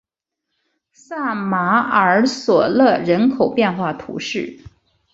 萨马尔索勒人口变化图示